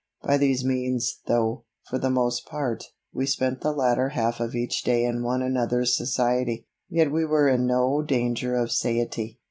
By these means, though, for the most part, we spent the latter half of each day in one another's society, yet we were in no danger of satiety.